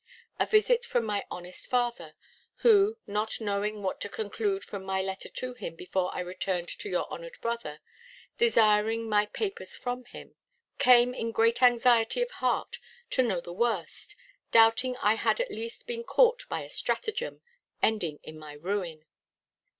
A visit from my honest father, who (not knowing what to conclude from my letter to him before I returned to your honoured brother, desiring my papers from him) came in great anxiety of heart to know the worst, doubting I had at last been caught by a stratagem, ending in my ruin.